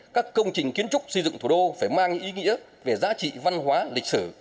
các công trình kiến trúc xây dựng thủ đô phải mang ý nghĩa về giá trị văn hóa lịch sử